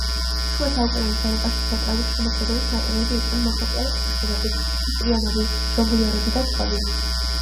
შუა საუკუნეების ევროპაში თეატრალური შემოქმედების მატარებლები იყვნენ მოხეტიალე მსახიობები: ჰისტრიონები, ჟონგლიორები და სხვები.